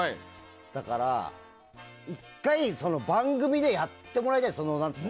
だから、１回番組でやってもらいたい。